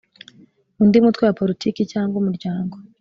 Undi mutwe wa politiki cyangwa umuryango